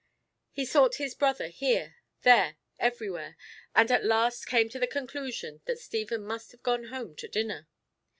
He sought his brother here, there, everywhere, and at last came to the conclusion that Stephen must have gone home to dinner.